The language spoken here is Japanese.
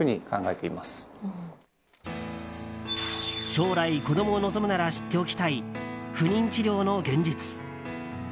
将来、子供を望むなら知っておきたい不妊治療の現実。